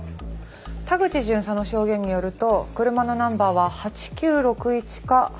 田口巡査の証言によると車のナンバーは８９６１か８６９１。